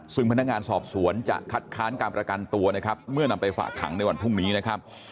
ซึ่งพนักงานสอบสวนจะคัดค้านการประกันตัวนะครับเมื่อนำไปฝากขังในวันพรุ่งนี้นะครับ